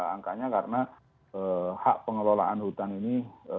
angkanya karena hak pengelolaan hutan ini